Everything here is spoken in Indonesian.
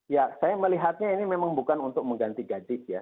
ya saya melihatnya ini memang bukan untuk mengganti gaji ya